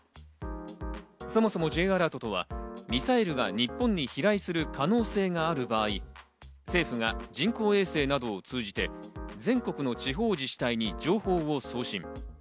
そもそもＪアラートとは、ミサイルが日本に飛来する可能性がある場合、政府が人工衛星などを通じて全国の地方自治体に情報を送信。